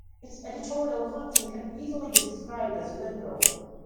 Its editorial content can easily be described as "liberal".